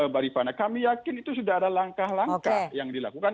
baripana kami yakin itu sudah ada langkah langkah yang dilakukan